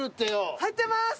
入ってます！